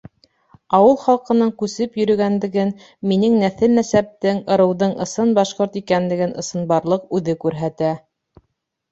Ауыл халҡының күсеп йөрөгәнлеген, минең нәҫел-нәсәптең, ырыуҙың ысын башҡорт икәнлеген ысынбарлыҡ үҙе күрһәтә.